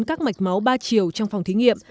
các mạch máu ba chiều trong phòng thí nghiệm